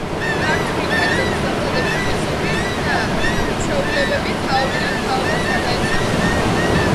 ქართული კერძების დამზადების წესები და ჩვეულებები თაობიდან თაობას გადაეცემოდა.